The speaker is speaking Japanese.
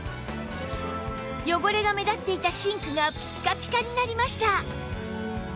汚れが目立っていたシンクがピッカピカになりました